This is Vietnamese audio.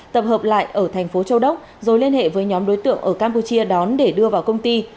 tập hợp lại ở thành phố châu đốc rồi liên hệ với nhóm đối tượng ở campuchia đón để đưa vào công ty